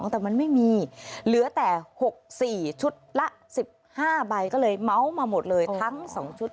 แต่มันไม่มีเหลือแต่๖๔ชุดละ๑๕ใบก็เลยเมาส์มาหมดเลยทั้ง๒ชุด